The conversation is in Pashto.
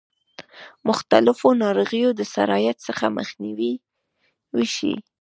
مختلفو ناروغیو د سرایت څخه مخنیوی وشي.